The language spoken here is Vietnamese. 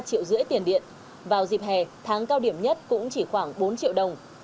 ba triệu rưỡi tiền điện vào dịp hè tháng cao điểm nhất cũng chỉ khoảng bốn triệu đồng